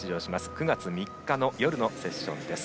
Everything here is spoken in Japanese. ９月３日の夜のセッションです。